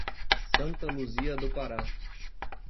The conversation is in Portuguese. Santa Luzia do Pará